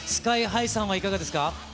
ＳＫＹーＨＩさんはいかがですか。